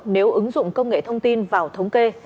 nếu ứng dụng công nghệ thông tin vào thống kê